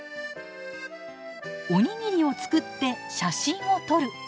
おにぎりを作って写真を撮る。